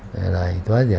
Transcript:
daerah itu aja